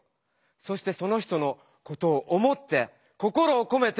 そしてその人のことを思って心をこめて話すこと。